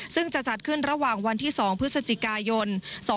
ซึ่งจะจัดขึ้นระหว่างวันที่๒พฤศจิกายน๒๕๖๒